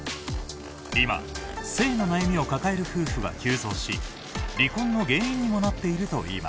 今性の悩みを抱える夫婦が急増し離婚の原因にもなっているといいます。